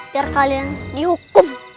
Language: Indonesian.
biar kalian dihukum